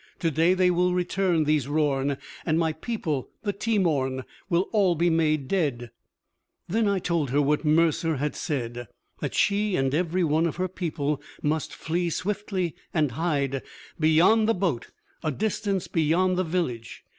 Today they will return, these Rorn, and my people, the Teemorn will all be made dead!" Then I told her what Mercer had said: that she and every one of her people must flee swiftly and hide, beyond the boat, a distance beyond the village.